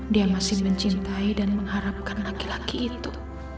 dia masih mencintai dan mengharapkan laki laki itu